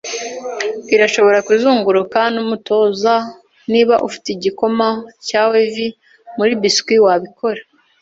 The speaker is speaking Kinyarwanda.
irashobora kuzunguruka mumutoza! Niba ufite igikoma cya weevil muri biscuit wabikora